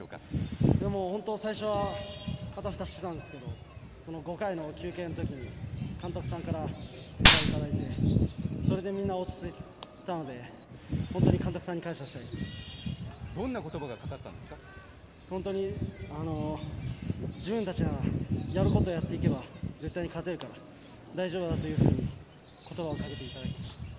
本当、最初はあたふたしていたんですけれど５回の休憩のときに監督さんからことば、いただいてそれで、落ち着いたので本当に監督さんにどんなことばが自分たちがやることをやっていけば絶対に勝てるから大丈夫だというふうにことばをかけていただきました。